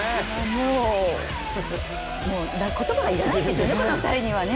もう言葉がいらないんですよね、この２人にはね。